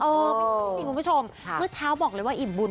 ไม่รู้จริงคุณผู้ชมเมื่อเช้าบอกเลยว่าอิ่มบุญ